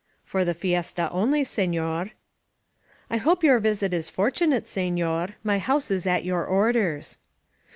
"For the fiesta only, sefior." "I hope your visit is fortunate, sefior. My house is at your orders."